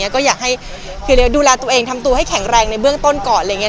ก็อยากดูแลตัวเองให้แข็งแรงในเบื้องต้นเกาะ